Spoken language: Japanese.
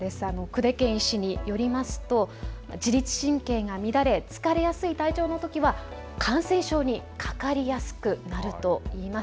久手堅医師によりますと自律神経が乱れ、疲れやすい体調のときは感染症にかかりやすくなると言います。